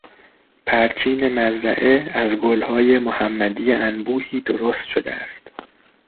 پرچین مزرعه از گلهای محمدی انبوهی درست شده است.